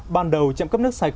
ban đầu trạm cấp nước sạch